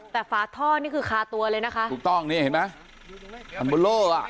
แต่ฝาท่อนี่คือคาตัวเลยนะคะถูกต้องนี่เห็นไหมอันเบอร์โล่อ่ะ